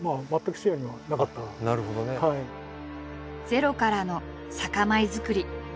ゼロからの酒米作り。